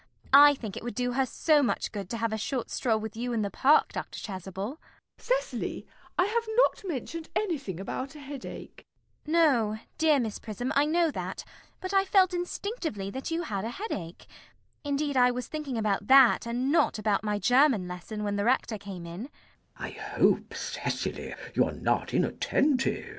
I think it would do her so much good to have a short stroll with you in the Park, Dr. Chasuble. MISS PRISM. Cecily, I have not mentioned anything about a headache. CECILY. No, dear Miss Prism, I know that, but I felt instinctively that you had a headache. Indeed I was thinking about that, and not about my German lesson, when the Rector came in.